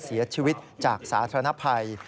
เสียชีวิตจากสาธารณภัย